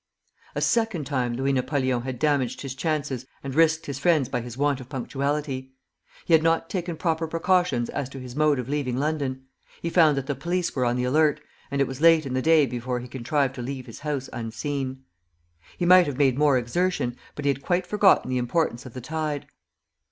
A second time Louis Napoleon had damaged his chances and risked his friends by his want of punctuality. He had not taken proper precautions as to his mode of leaving London. He found that the police were on the alert, and it was late in the day before he contrived to leave his house unseen. He might have made more exertion, but he had quite forgotten the importance of the tide!